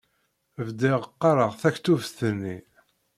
Bdiɣ qqaṛeɣ taktubt-nni.